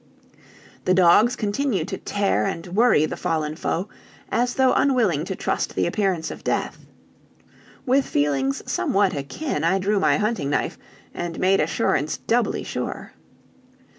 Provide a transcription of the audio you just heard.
The dogs continued to tear and worry the fallen foe, as though unwilling to trust the appearance of death. With feelings somewhat akin, I drew my hunting knife, and made assurance doubly sure.